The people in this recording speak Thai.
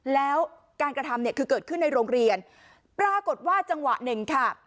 แล้วการกระทำเนี่ยคือเกิดขึ้นในโรงเรียนปรากฏว่าจังหวะหนึ่งค่ะ